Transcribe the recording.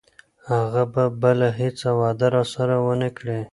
هغه به بله هیڅ وعده راسره ونه کړي.